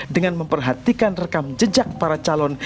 dengan memperhatikan rekam jejak para calon